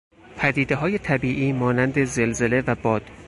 پدیدههای طبیعی مانند زلزله و باد